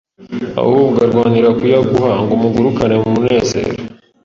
ahubwo arwanira kuyaguha ngo mugurukane mu munezero